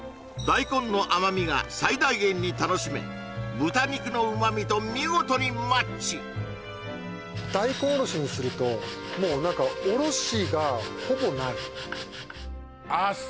大根の甘みが最大限に楽しめ豚肉のうま味と見事にマッチ大根おろしにするともうなんかおろしがほぼないああ